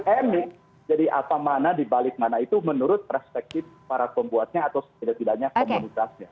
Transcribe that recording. emik jadi apa mana dibalik mana itu menurut perspektif para pembuatnya atau setidak tidaknya komunitasnya